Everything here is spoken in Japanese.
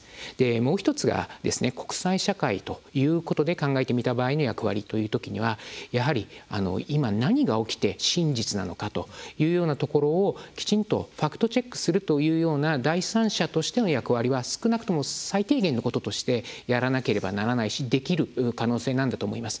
もう１つが国際社会ということで考えてみた場合の役割というときにはやはり、何が起きて、真実なのかということを、きちんとファクトチェックするという第三者としての役割は少なくとも最低限のこととしてやらなければならないしできる可能性だと思います。